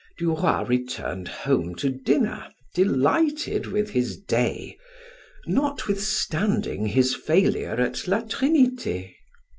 Du Roy returned home to dinner delighted with his day, notwithstanding his failure at La Trinite.